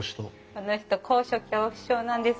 この人高所恐怖症なんです。